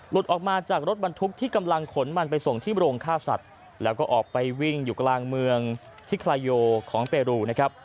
ออกมาจากรถบรรทุกที่กำลังขนมันไปส่งที่โรงฆ่าสัตว์แล้วก็ออกไปวิ่งอยู่กลางเมืองที่คลายโยของเปรูนะครับ